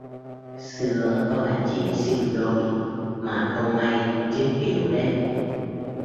xưa có bà chị sinh đôi mà không may chết yểu đấy